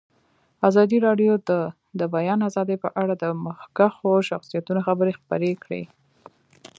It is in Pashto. ازادي راډیو د د بیان آزادي په اړه د مخکښو شخصیتونو خبرې خپرې کړي.